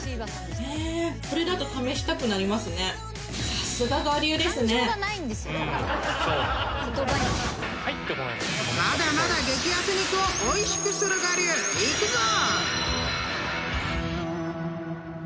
［まだまだ激安肉をおいしくする我流いくぞ！］